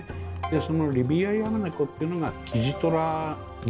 そのリビアヤマネコってのがキジトラ柄なんです。